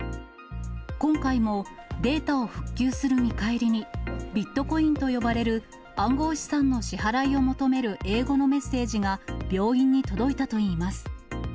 今回もデータを復旧する見返りに、ビットコインと呼ばれる暗号資産の支払いを求める英語のメッセージが病院に届いたといいます。